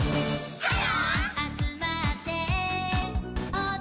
はい！